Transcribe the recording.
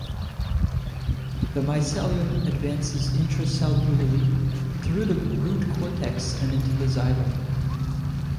The mycelium advances intracellularly through the root cortex and into the xylem.